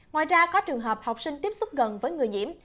ngoài ra có trường hợp học sinh tiếp xúc gần với người nhiễm